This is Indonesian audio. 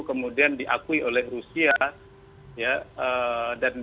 kemudian diakui oleh rusia ya dan